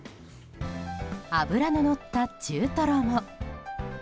脂ののった中トロも。